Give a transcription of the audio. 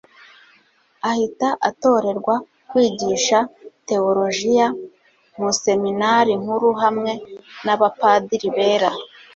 ahita atorerwa kwigisha teolojiya mu seminari nkuru hamwe n'abapadiri bera